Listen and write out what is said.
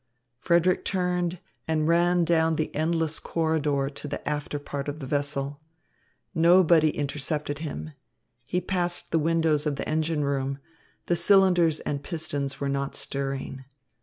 Frederick turned, and ran down the endless corridor to the after part of the vessel. Nobody intercepted him. He passed the windows of the engine room. The cylinders and pistons were not stirring.